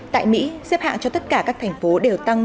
tại mỹ xếp hạng cho tất cả các thành phố đều tăng